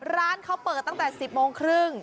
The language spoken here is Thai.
ร้านเขาเปิดตั้งแต่๑๐โมงครึ่ง